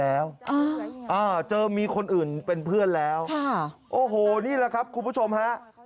แล้วเจอมีคนอื่นเป็นเพื่อนแล้วค่ะโอ้โหนี่แหละครับคุณผู้ชมฮะ